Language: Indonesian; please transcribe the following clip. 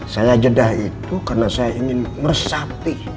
saya jedah itu karena saya ingin meresapi